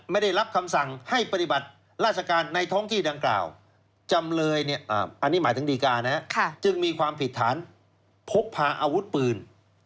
ได้รับคำสั่งให้ปฏิบัติราชการในท้องที่ดังกล่าวจำเลยเนี่ยอันนี้หมายถึงดีการนะฮะจึงมีความผิดฐานพกพาอาวุธปืน